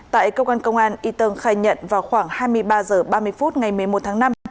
tại công an công an y tân khai nhận vào khoảng hai mươi ba giờ ba mươi phút ngày một mươi một tháng năm